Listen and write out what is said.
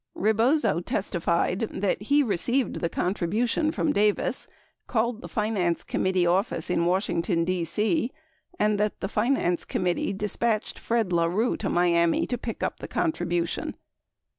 75 Rebozo testified that he received the contribution from Davis, called the finance committee office in Washington, D.C., and that the finance committee dispatched Fred La Rue to Miami to pick up the con tribution.